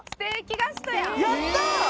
やった！